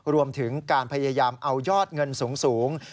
รวมถึงการพยายามเอายอดเงินสูง